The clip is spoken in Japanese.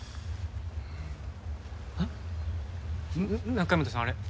中山田さんあれ。